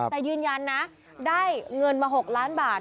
แต่ยืนยันนะได้เงินมา๖ล้านบาท